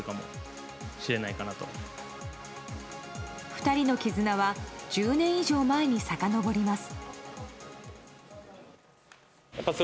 ２人の絆は１０年以上前にさかのぼります。